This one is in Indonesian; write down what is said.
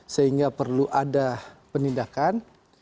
sehingga perlu ada penindakan